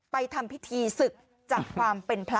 ไปทำพิธีศึกจากความเป็นพระเรียบร้อยแล้ว